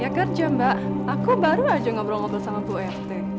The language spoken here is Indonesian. ya kerja mbak aku baru aja ngobrol ngobrol sama bu rt